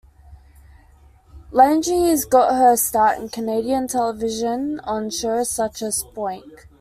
Lengies got her start in Canadian television on shows such as Sponk!